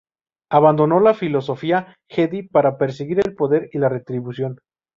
Abandonó la filosofía Jedi para perseguir el poder y la retribución.